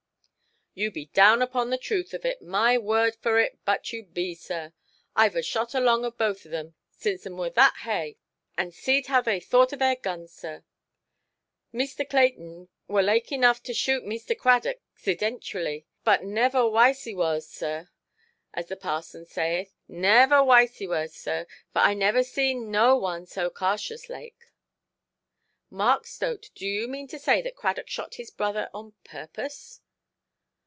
"You be down upon the truth of it, my word for it but you be, sir. Iʼve a shot along o' both of 'em, since 'em wor that haigh, and seeʼd how they thought of their guns, sir; Meester Clayton wor laike enough to shoot Meester Cradock 'xidentually; but never wicey warse, sir, as the parson sayeth, never wicey warse, sir, for I niver see no one so cartious laike". "Mark Stote, do you mean to say that Cradock shot his brother on purpose"?